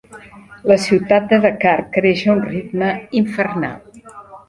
La ciutat de Dakar creix a un ritme infernal.